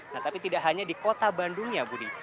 nah tapi tidak hanya di kota bandung ya budi